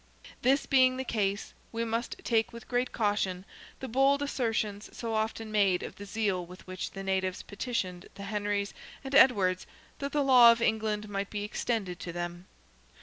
This being the case, we must take with great caution the bold assertions so often made of the zeal with which the natives petitioned the Henrys and Edwards that the law of England might be extended to them.